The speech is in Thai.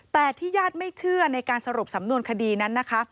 แต่ที่ญาติไม่เชื่อในการสรุปสำนวนคดีนั้นนะคะ